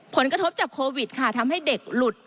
ผลกระทบจากโควิดค่ะทำให้เด็กหลุด